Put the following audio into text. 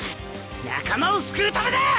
仲間を救うためだ！